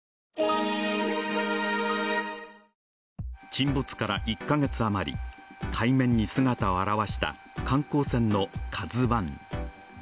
沈没から１カ月あまり、海面に姿を現した観光船の「ＫＡＺＵⅠ」。